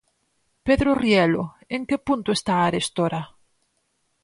Pedro Rielo, en que punto está arestora?